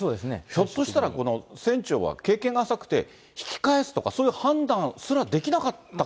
ひょっとしたら、この船長は経験が浅くて引き返すとか、そういう判断すらできなかった？